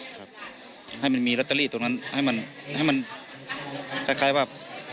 ครับให้มันมีลอตเตอรี่ตรงนั้นให้มันให้มันคล้ายว่า